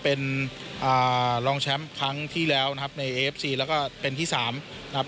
เป็นรองแชมป์ครั้งที่แล้วนะครับในเอฟซีแล้วก็เป็นที่สามนะครับ